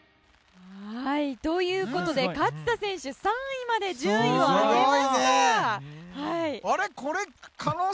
ということで勝田選手３位まで順位を上げました。